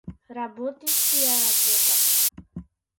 Работи си ја работата.